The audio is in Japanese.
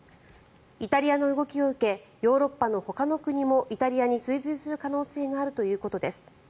イタリアの動きを受けヨーロッパのほかの国もイタリアに追随する可能性があるということです。